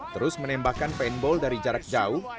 terus menembakkan paintball dari jarak jauh